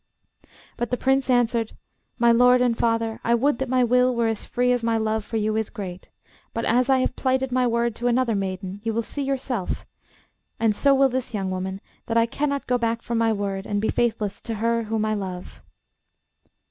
But the Prince answered: 'My lord and father, I would that my will were as free as my love for you is great. But as I have plighted my word to another maiden, you will see yourself, and so will this young woman, that I cannot go back from my word, and be faithless to her whom I love.